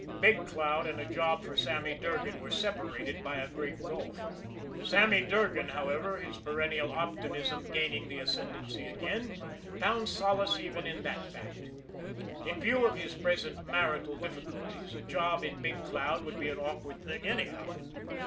Big Cloud and a job for Sammy Durgan were separated by a great gulf. Sammy Durgan, however, his perennial optimism gaining the ascendancy again, found solace even in that fact. In view of his present marital difficulties a job in Big Cloud would be an awkward thing anyhow.